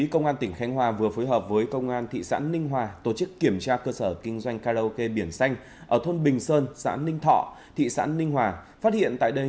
một phần tin tưởng mà không nghĩ mình đã bị lừa